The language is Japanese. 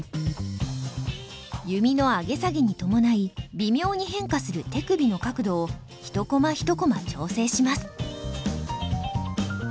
弓の上げ下げに伴い微妙に変化する手首の角度を１コマ１コマ調整します。